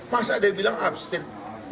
masa ada yang bilang abstain